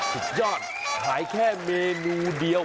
สุดยอดขายแค่เมนูเดียว